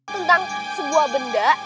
tentang sebuah benda